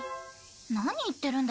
何言ってるんだ。